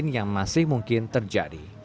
yang masih mungkin terjadi